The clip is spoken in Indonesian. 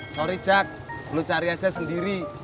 sorry jack lu cari aja sendiri